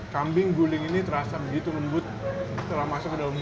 kambing guling ini terasa begitu lembut setelah masuk ke dalam